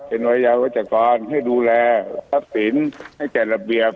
เป็นวัยยาววจกรให้ดูแลรับศีลให้จัดระเบียบ